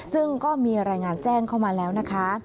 ซึ่งก็มีรายงานแจ้งเข้ามาแล้วนะคะ